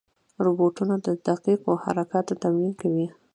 روبوټونه د دقیقو حرکاتو تمرین کوي.